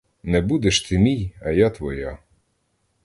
Не будеш ти мій, а я твоя!